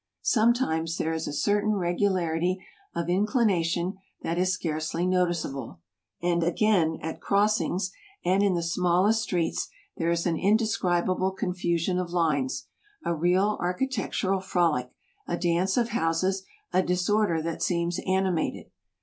Sometimes there is a certain regularity of inclination that is scarcely noticeable; and again, at crossings and in the smallest streets there is an indescribable confusion of lines, a real architectural frolic, a dance of houses, a disorder that seems animated.